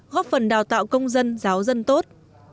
góp phần đào tạo công dân giáo dân tốt